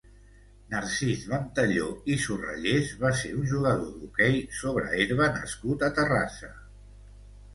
Narcís Ventalló i Surrallés va ser un jugador d'hoquei sobre herba nascut a Terrassa.